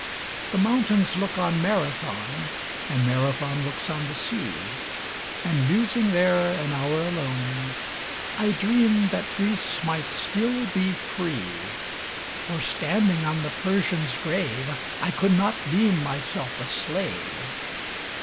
The mountains look on Marathon And Marathon looks on the sea; And musing there an hour alone, I dreamed that Greece might still be free; For, standing on the Persians' grave, I could not deem myself a slave.